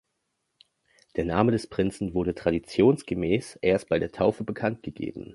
Der Name des Prinzen wurde traditionsgemäß erst bei der Taufe bekanntgegeben.